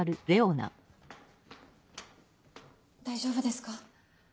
大丈夫ですか？